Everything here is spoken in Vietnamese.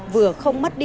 vừa không mất đi